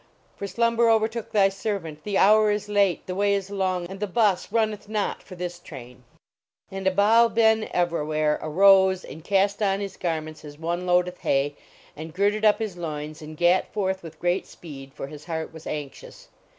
For .slumber overtook thy servant, the hour is late, the way is long, and the bus runneth not for this train!" And Abou Ben Evrawhair arose and cast on his garments as one loadeth hay, and gird ed up his loins, and gat forth with great speed, for his heart was anxious.